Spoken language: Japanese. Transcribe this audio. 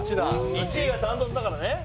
１位が断トツだからね。